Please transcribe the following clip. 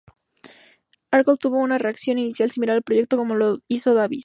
Alcorn tuvo una reacción inicial similar al proyecto como lo hizo Davis.